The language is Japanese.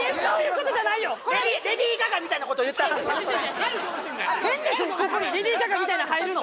ここにレディー・ガガみたいなの入るの？